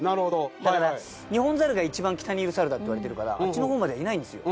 だからニホンザルが一番北にいる猿だっていわれてるからあっちの方まではいないんですよ。